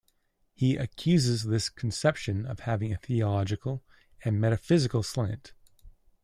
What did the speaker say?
He accuses this conception of having a theological and metaphysical slant.